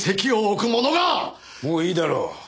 もういいだろう。